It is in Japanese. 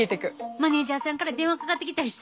マネージャーさんから電話かかってきたりしたら？